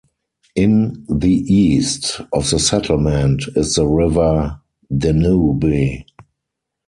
In the east of the settlement is the river Danube.